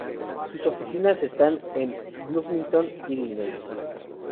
Sus oficinas están en Bloomington, Illinois.